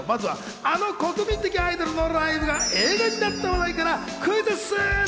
あの国民的アイドルのライブが映画になった話題からクイズッス！